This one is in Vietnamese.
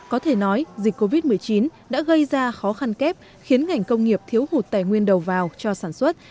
có thể nói dịch covid một mươi chín đã gây ra khó khăn kép khiến ngành công nghiệp thiếu hụt tài nguyên đầu vào cho sản xuất